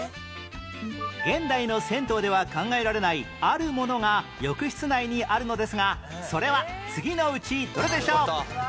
現代の銭湯では考えられないあるものが浴室内にあるのですがそれは次のうちどれでしょう？